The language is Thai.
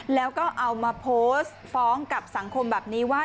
แล้วก็เอามาโพสต์ฟ้องกับสังคมแบบนี้ว่า